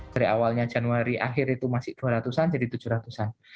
dari awalnya januari akhir itu masih dua ratus an jadi tujuh ratus an